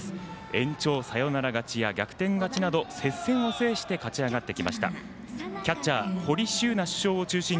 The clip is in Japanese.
延長サヨナラ勝ちや逆転勝ちなど接戦を制して勝ち上がってき